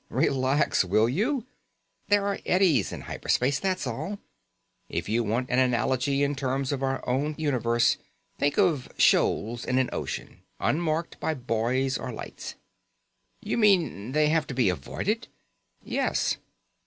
"Relax, will you? There are eddies in hyper space, that's all. If you want an analogy in terms of our own universe, think of shoals in an ocean unmarked by buoys or lights." "You mean they have to be avoided?" "Yes."